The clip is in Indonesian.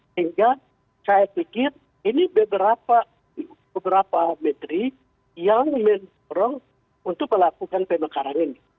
sehingga saya pikir ini beberapa menteri yang mendorong untuk melakukan pemekaran ini